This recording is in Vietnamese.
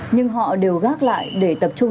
nhưng họ đều gác lại để tập trung